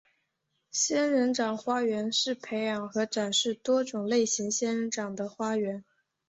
仙人掌花园是培养和展示多种类型仙人掌的花园。